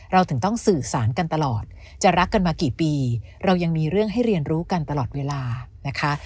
เราถึงต้องสื่อสารกันตลอดจะรักกันมากี่ปีเรายังมีเรื่องให้เรียนรู้กันตลอดเวลานะคะ